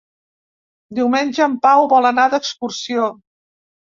Diumenge en Pau vol anar d'excursió.